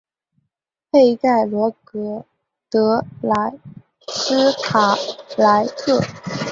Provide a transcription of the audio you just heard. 佩盖罗勒德莱斯卡莱特。